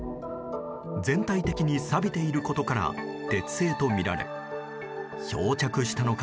全体的にさびていることから鉄製とみられ漂着したのか